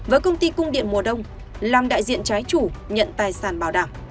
với công ty cung điện mùa đông làm đại diện trái chủ nhận tài sản bảo đảm